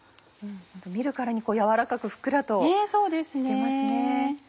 見るからに軟らかくふっくらとしてますね。